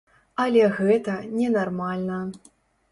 Але гэта не нармальна.